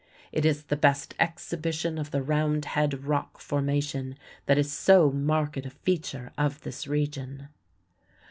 It is the best exhibition of the round head rock formation that is so marked a feature of this region.